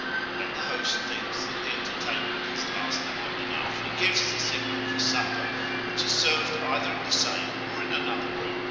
When the host thinks that the entertainment has lasted long enough, he gives the signal for supper, which is served either in the same or in another room.